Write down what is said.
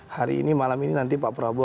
hari ini malam ini nanti pak prabowo